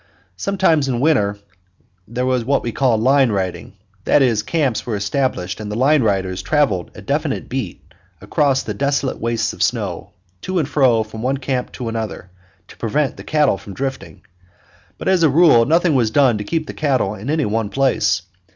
Sometimes in winter there was what we called line riding; that is, camps were established and the line riders traveled a definite beat across the desolate wastes of snow, to and fro from one camp to another, to prevent the cattle from drifting. But as a rule nothing was done to keep the cattle in any one place.